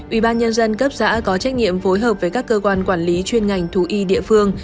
ubnd cấp giã có trách nhiệm phối hợp với các cơ quan quản lý chuyên ngành thú y địa phương